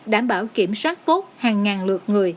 đảm bảo kiểm soát tốt hàng ngàn lượt người